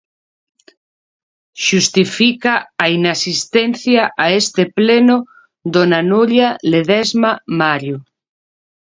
Xustifica a inasistencia a este pleno dona Nuria Ledesma Mario.